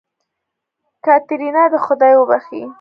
کاتېرينا دې خداى وبښي.